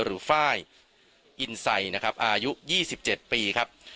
หรือฟ่ายอินไซค์อายุ๒๗ปีครับ